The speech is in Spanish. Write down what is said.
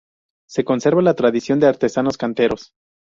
Se conserva la tradición de artesanos canteros.